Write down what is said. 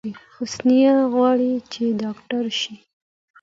حسينه غواړی چې ډاکټره شی